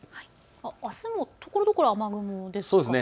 あすもところどころ雨雲ですね。